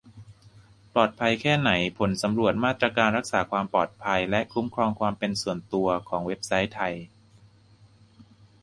ปลอดภัยแค่ไหน ? : ผลสำรวจมาตรการรักษาความปลอดภัยและคุ้มครองความเป็นส่วนตัวของเว็บไซต์ไทย